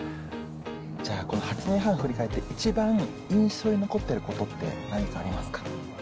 じゃあこの８年半振り返って、一番印象に残っていることって何かありますか？